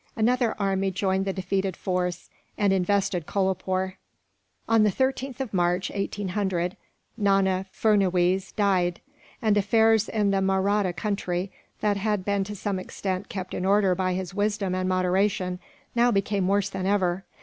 Another army joined the defeated force, and invested Kolapoore. On the 13th of March, 1800, Nana Furnuwees died; and affairs in the Mahratta country, that had been to some extent kept in order by his wisdom and moderation, now became worse than ever.